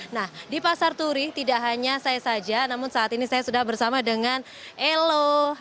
nah di pasar turi tidak hanya saya saja namun saat ini saya sudah bersama dengan elo